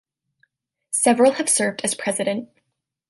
Several have served as President.